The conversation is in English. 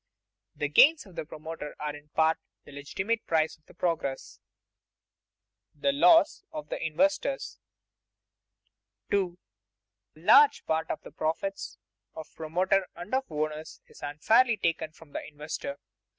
The gains of the promoter are in part the legitimate price of progress. [Sidenote: The loss of the investors] 2. _A large part of the profits of promoter and of owners is unfairly taken from the investor.